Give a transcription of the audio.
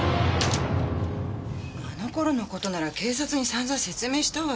あの頃の事なら警察に散々説明したわよ。